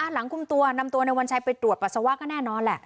หลังคุมตัวนำตัวในวัญชัยไปตรวจปัสสาวะก็แน่นอนแหละ